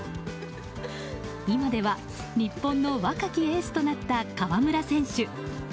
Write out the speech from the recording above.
今では日本の若きエースとなった川村選手。